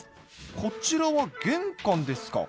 こちらは玄関ですか